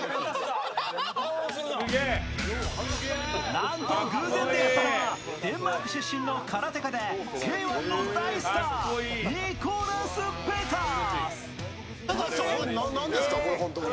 なんと偶然出会ったのはデンマーク出身の空手家でＫ−１の大スターニコラス・ペタス！